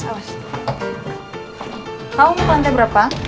kau mau ke lantai berapa